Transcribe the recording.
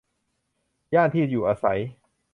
ย่านที่อยู่อาศัย